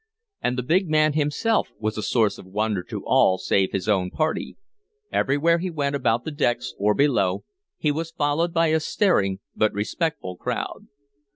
And the big man himself was a source of wonder to all save his own party. Everywhere he went about the decks, or below, he was followed by a staring but respectful crowd.